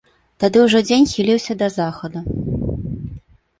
Тады ўжо дзень хіліўся да захаду.